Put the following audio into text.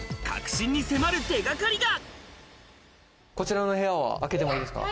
こちらの部屋は開けてもいいですか？